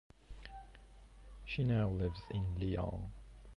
She now lives in Lyon.